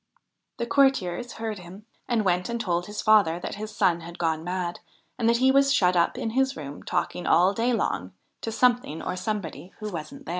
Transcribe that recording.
The courtiers heard him and went and told his father that his son had gone mad, and that he was shut up in his room, talking all day long to something or somebody who wasn't there.